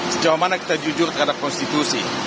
sejauh mana kita jujur terhadap konstitusi